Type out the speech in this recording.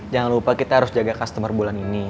jangan lupa kita harus jaga customer bulan ini